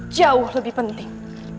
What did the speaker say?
jauh lebih penting